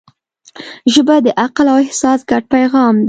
ژبه د عقل او احساس ګډ پیغام دی